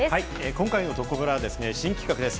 今回のどこブラは新企画です。